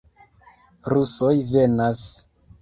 Rusoj venas!